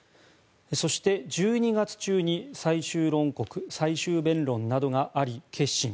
そして、１２月中に最終論告最終弁論などがあり結審。